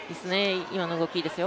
今の動きいいですよ